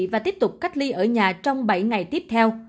và tiếp tục cách ly ở nhà trong bảy ngày tiếp theo